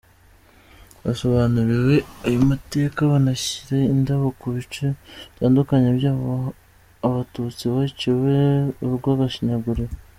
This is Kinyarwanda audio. Basobanuriwe ayo mateka, banashyira indabo ku bice bitandukanye by’aho Abatutsi biciwe urw’agashinyaguro.